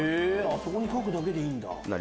そこに描くだけでいいんだ。